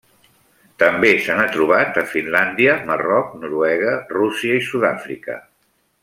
També se n'ha trobat a Finlàndia, Marroc, Noruega, Rússia i Sud-àfrica.